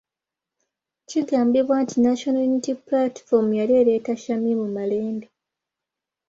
Kigambibwa nti National Unity Platform yali ereeta Shamim Malende .